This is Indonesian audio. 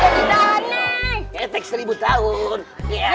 ketek seribu tahun ya